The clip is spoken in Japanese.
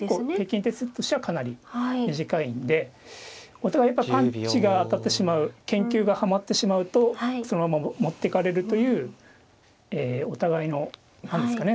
お互いやっぱパンチが当たってしまう研究がはまってしまうとそのまま持っていかれるというえお互いの何ですかね。